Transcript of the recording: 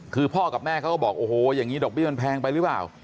คือพ่อกับแม่เขาก็บอกโอ้โหอย่างนี้ดอกเบี้มันแพงไปหรือเปล่า